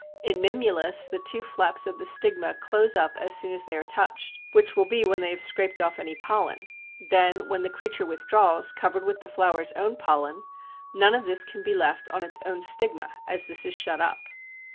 In Mimulus the two flaps of the stigma close up as soon as they are touched, which will be when they have scraped off any pollen; then when the creature withdraws, covered with the flower's own pollen, none of this can be left on its own stigma, as this is shut up.